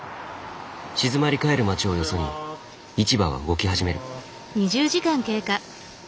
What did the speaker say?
静まり返る街をよそに市場は動き始める。